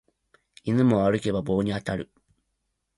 犬も歩けば棒に当たる